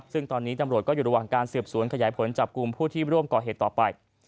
ซึ่งตอนนี้ตำรวจก็อยู่ระหว่างการสืบสวนขยายผลจับกลุ่มผู้ที่ร่วมก่อเหตุต่อไป